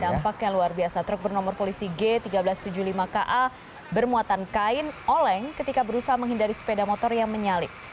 dampaknya luar biasa truk bernomor polisi g seribu tiga ratus tujuh puluh lima ka bermuatan kain oleng ketika berusaha menghindari sepeda motor yang menyalip